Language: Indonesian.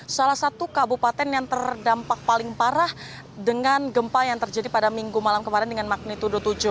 salah satu kabupaten yang terdampak paling parah dengan gempa yang terjadi pada minggu malam kemarin dengan magnitudo tujuh